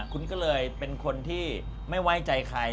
คุณก็เลยเป็นคนที่ไม่ไว้ใจใคร